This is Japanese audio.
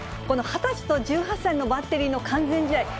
この２０歳と１８歳のバッテリーの完全試合。